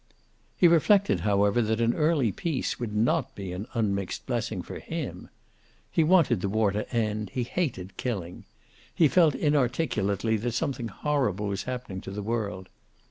He reflected, however, that an early peace would not be an unmixed blessing for him. He wanted the war to end: he hated killing. He felt inarticulately that something horrible was happening to the world.